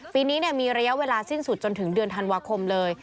ปีนี้มีระยะเวลาสิ้นสุดจนถึงเดือนธันวาคมเลย